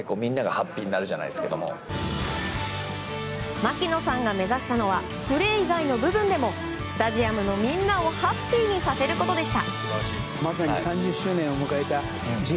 槙野さんが目指したのはプレー以外の部分でもスタジアムのみんなをハッピーにさせることでした。